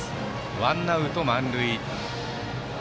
ワンアウト満塁。